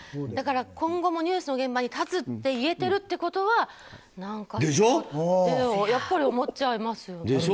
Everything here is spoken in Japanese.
だから、今後もニュースの現場に立つと言えてるということは何かって思っちゃいますよね。